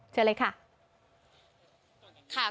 เชิญเลยค่ะ